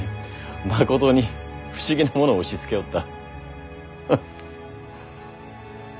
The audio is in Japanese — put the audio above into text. まことに不思議な者を押しつけおった。